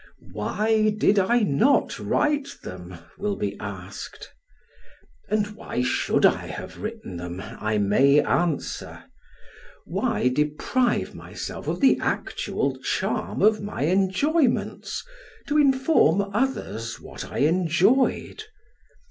Why did I not write them? will be asked; and why should I have written them? I may answer. Why deprive myself of the actual charm of my enjoyments to inform others what I enjoyed?